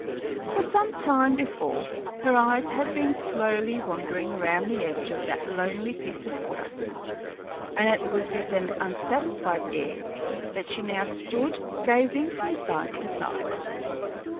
For some time before her eyes had been slowly wandering around the edge of that lonely piece of water, and it was with an unsatisfied air that she now stood gazing from side to side.